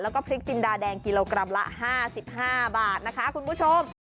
แล้วก็พริกจินดาแดงกิโลกรัมละ๕๕บาทนะคะคุณผู้ชม